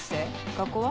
学校は？